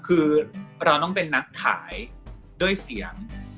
คือเราต้องเป็นนักขายด้วยเสียง